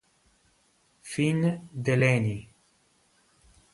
Finn Delany